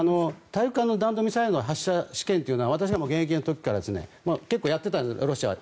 大陸間弾道ミサイルの発射試験というのは現役の時から結構やってたんです、ロシアは。